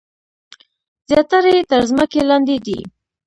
زیاتره یې تر ځمکې لاندې دي.